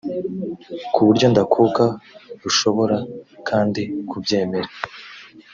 ku buryo ndakuka rushobora kandi kubyemera